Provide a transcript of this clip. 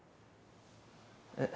えっ？